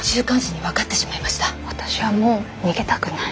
私はもう逃げたくない。